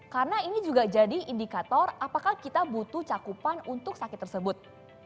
karena ini juga jadi indikator apakah kita butuh cakupan untuk sakit tersebut